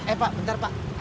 eh pak bentar pak